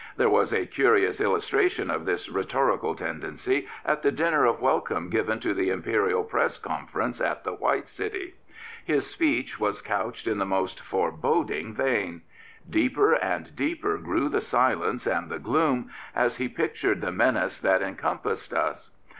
There was an illustration of this dramatic tendency at the dinner of welcome given to the Imperial Press Conference at the White City. His speech was couched in the most foreboding vein. Deeper and deeper grew the silence and the gloom as he pictured the menace that encompassed us.